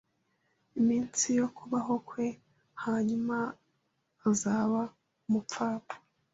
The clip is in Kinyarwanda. iminsi yo kubaho kwe; hanyuma azaba umupfapfa.